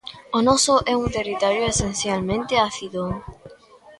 O noso é un territorio esencialmente ácido.